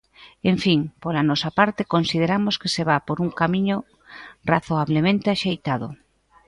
En fin, pola nosa parte consideramos que se va por un camiño razoablemente axeitado.